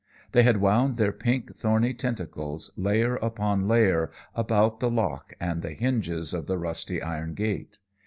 They had wound their pink, thorny tentacles, layer upon layer, about the lock and the hinges of the rusty iron gate.